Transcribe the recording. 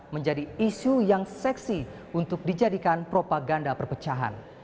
menjadi isu yang seksi untuk dijadikan propaganda perpecahan